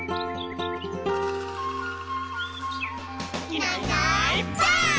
「いないいないばあっ！」